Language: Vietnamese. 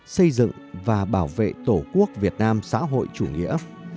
xây dựng và bảo vệ tổ quốc việt nam xã hội chủ nghĩa